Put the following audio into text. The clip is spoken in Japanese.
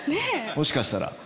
もしかしたら。